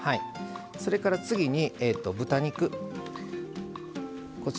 それから次に豚肉。